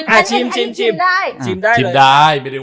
อันนี้มีตับใต้ไส้ภู